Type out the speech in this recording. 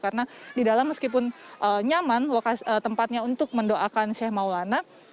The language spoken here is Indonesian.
karena di dalam meskipun nyaman tempatnya untuk mendoakan seh maulana